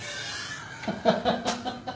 ハハハハハ。